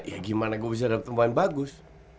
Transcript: ya gimana gue bisa dapet pemain bagus